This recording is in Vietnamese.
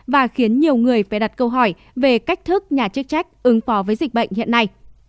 và khiến nhiều người phải đặt câu hỏi về cách thức nhà chức trách ứng phó với dịch bệnh hiện nay